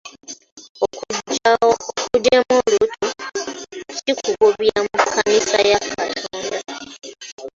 Okuggyamu olubuto kikugobya mu kkanisa ya Katonda.